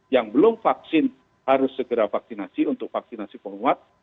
yang belum vaksin harus segera vaksinasi untuk vaksinasi penguat